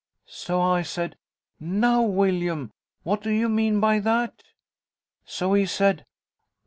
So I said, 'Now, Willyum, what do you mean by that?' So he said, 'No.